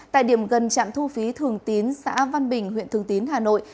tại điểm gần trạm thu phí thường tín xã văn bình huyện thường tín hà nội